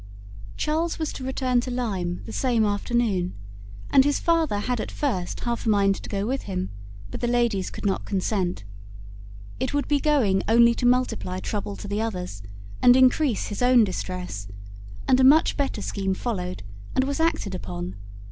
Charles was to return to Lyme the same afternoon, and his father had at first half a mind to go with him, but the ladies could not consent. It would be going only to multiply trouble to the others, and increase his own distress; and a much better scheme followed and was acted upon.